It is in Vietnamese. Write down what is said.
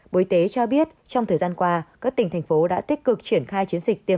bộ y tế cho biết trong thời gian qua các tỉnh thành phố đã tích cực triển khai chiến dịch tiêm